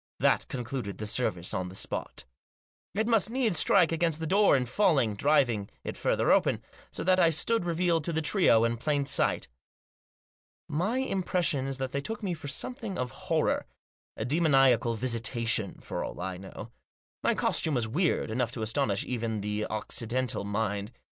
That concluded the service on the spot It must needs strike against the door in falling, driving it further open, so that I stood revealed to the trio in plain sight. My impression is that they took me for something of horror; a demoniacal visitation, for all I know. My costume was weird enough to astonish even the Occidental mind.